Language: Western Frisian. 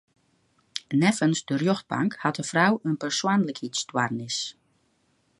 Neffens de rjochtbank hat de frou in persoanlikheidsstoarnis.